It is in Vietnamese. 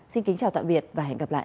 xin kính chào tạm biệt và hẹn gặp lại